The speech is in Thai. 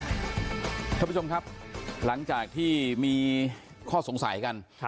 คุณผู้ชมครับหลังจากที่มีข้อสงสัยกัน